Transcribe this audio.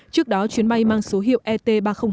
trước đó chuyến bay mang số hiệu et ba trăm linh một